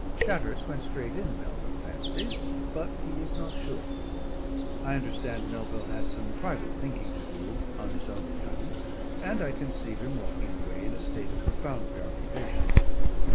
Chatteris went straight in, Melville fancies, but he is not sure. I understand Melville had some private thinking to do on his own account, and I conceive him walking away in a state of profound preoccupation.